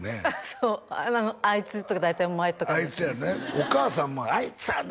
そう「あいつ」とか大体「お前」とかですねあいつやねお母さんも「あいつはね」